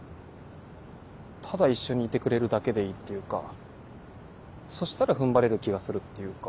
ただ一緒にいてくれるだけでいいっていうかそしたら踏ん張れる気がするっていうか。